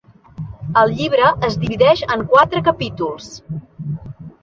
El llibre es divideix en quatre capítols.